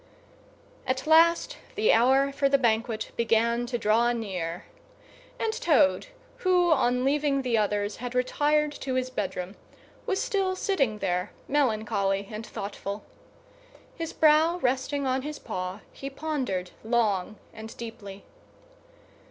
At last the hour for the banquet began to draw near, and Toad, who on leaving the others had retired to his bedroom, was still sitting there, melancholy and thoughtful. His brow resting on his paw, he pondered long and deeply.